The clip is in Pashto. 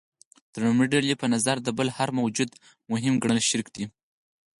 د لومړۍ ډلې په نظر د بل هر موجود مهم ګڼل شرک دی.